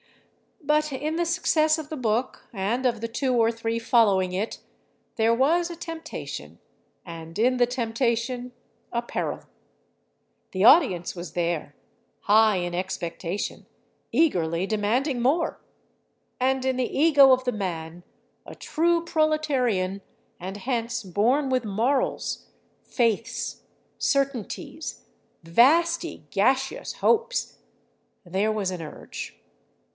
But in the success of the book and of the two or three following it there was a temptation, and in the temptation a peril. The audience was there, high in expectation, eagerly demanding more. And in the ego of the man—a true proletarian, and hence born with morals, faiths, certainties, vasty gaseous hopes—there was an urge.